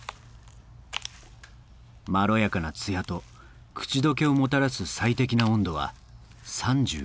まろやかなツヤと口溶けをもたらす最適な温度は３１℃。